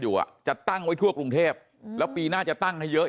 อยู่อ่ะจะตั้งไว้ทั่วกรุงเทพแล้วปีหน้าจะตั้งให้เยอะ